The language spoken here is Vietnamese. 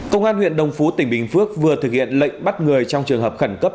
công an huyện đồng phú tỉnh bình phước vừa thực hiện lệnh bắt người trong trường hợp khẩn cấp